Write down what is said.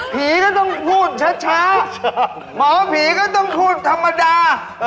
ก็ต้องพูดช้าหมอผีก็ต้องพูดธรรมดา